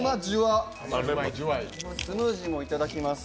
スムージーもいただきます。